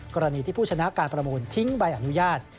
กรณีที่ผู้ชนะการประมูลทิ้งใบอนุญาต